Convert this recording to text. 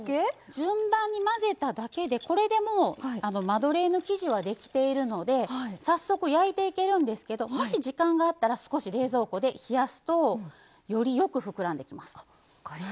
順番に混ぜただけでこれで、もうマドレーヌ生地はできているので早速、焼いていけるんですけどもし時間があるなら少し冷蔵庫で冷やすとよりよく膨らんでいきます。